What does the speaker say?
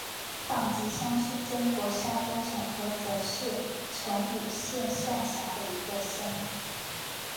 党集乡是中国山东省菏泽市成武县下辖的一个乡。